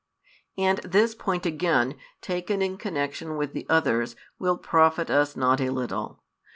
And this point again, taken in connection with the others, will profit us not a little.